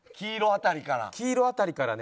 黄色辺りから。